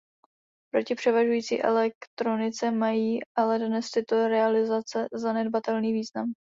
Proti převažující elektronice mají ale dnes tyto realizace zanedbatelný význam.